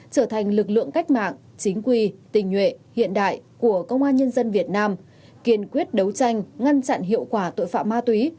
trở thành lực lượng cách mạng chính quy tình nhuệ hiện đại của công an nhân dân việt nam kiên quyết đấu tranh ngăn chặn hiệu quả tội phạm ma túy